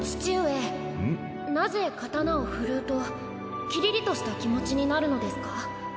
なぜ刀を振るうとキリリとした気持ちになるのですか？